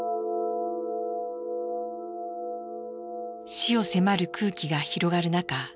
死を迫る空気が広がる中